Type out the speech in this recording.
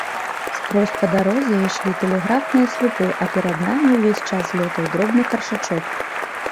Скрозь па дарозе ішлі тэлеграфныя слупы, а перад намі ўвесь час лётаў дробны каршачок.